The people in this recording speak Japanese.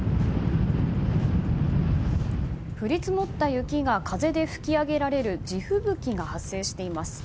降り積もった雪が風で吹き上げられる地吹雪が発生しています。